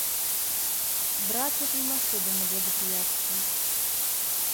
Брат вот им особенно благоприятствует.